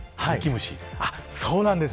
そうなんです。